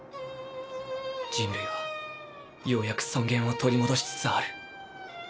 人類はようやく尊厳を取り戻しつつある。